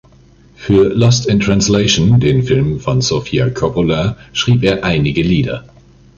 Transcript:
Für "Lost in Translation", den Film von Sofia Coppola, schrieb er einige Lieder.